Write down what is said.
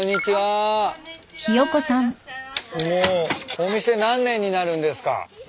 お店何年になるんですか？